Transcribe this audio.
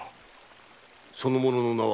その者の名は？